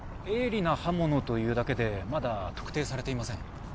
鋭利な刃物というだけでまだ特定されていません